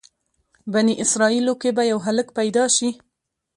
بني اسرایلو کې به یو هلک پیدا شي.